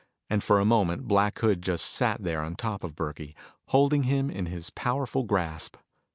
And for a moment Black Hood just sat there on top of Burkey, holding him in his powerful grasp.